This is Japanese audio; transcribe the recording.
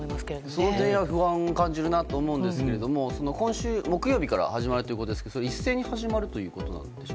その点は不安を感じるなと思うんですが今週木曜日から始まるということですけども一斉に始まるんですか？